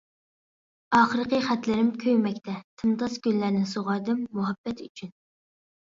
ئاخىرقى خەتلىرىم كۆيمەكتە تىمتاس، گۈللەرنى سۇغاردىم مۇھەببەت ئۈچۈن.